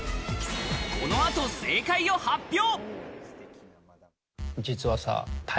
この後、正解を発表。